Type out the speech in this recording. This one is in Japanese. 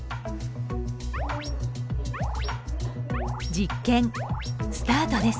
実験スタートです！